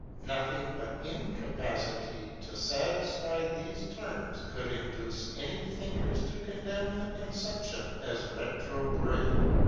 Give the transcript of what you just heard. Nothing but incapacity to satisfy these terms could induce any thinkers to condemn the conception as retrograde.